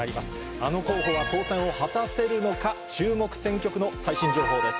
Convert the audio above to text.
あの候補は当選を果たせるのか、注目選挙区の最新情報です。